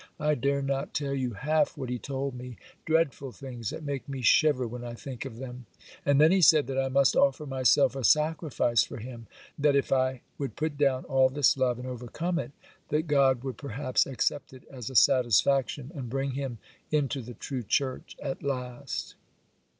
I dare not tell you half what he told me; dreadful things that make me shiver when I think of them; and then he said that I must offer myself a sacrifice for him; that if I would put down all this love, and overcome it, that God would perhaps accept it as a satisfaction, and bring him into the true church at last.